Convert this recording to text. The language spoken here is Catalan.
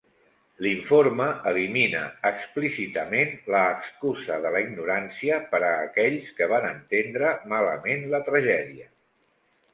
L"informe elimina explícitament la excusa de la ignorància per a aquells que van entendre malament la tragèdia.